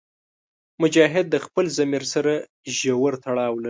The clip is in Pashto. مجاهد د خپل ضمیر سره ژور تړاو لري.